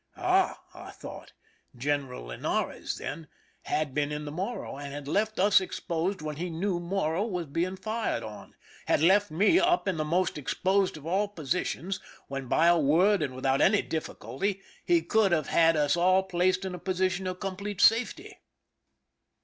" Ah," I thought, " Q eneral Linares, then, had been in the Morro, and had left us exposed when he knew Morro was being fired on— had left me up in the most exposed of all positions when by a word and without any difficulty he could have had us all placed in a position of complete safety!"